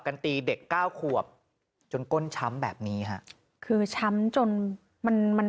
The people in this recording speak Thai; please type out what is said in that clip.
ตีเด็กเก้าขวบจนก้นช้ำแบบนี้ฮะคือช้ำจนมันมัน